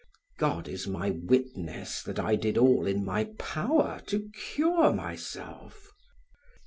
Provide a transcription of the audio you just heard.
God is my witness that I did all in my power to cure myself.